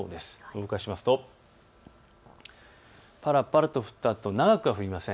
動かしますとぱらぱらと降ったあと長くは降りません。